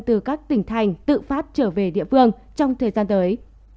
từ các tỉnh thành tự phát trở về địa phương trong thời gian tới